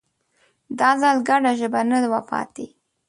دا ځل ګډه ژبه نه وه پاتې